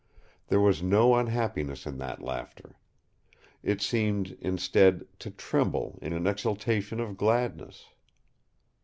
There was no unhappiness in that laughter. It seemed, instead, to tremble in an exultation of gladness.